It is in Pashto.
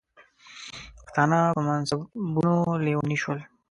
پښتانه په منصبونو لیوني شول.